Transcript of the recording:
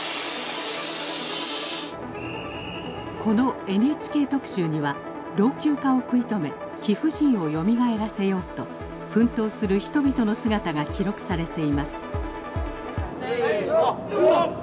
この「ＮＨＫ特集」には老朽化を食い止め貴婦人をよみがえらせようと奮闘する人々の姿が記録されていますせの。